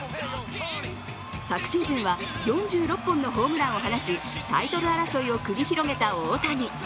昨シーズンは４６本のホームランを放ちタイトル争いを繰り広げた大谷。